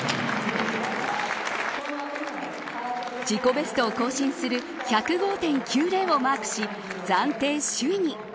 自己ベストを更新する１０５．９０をマークし暫定首位に。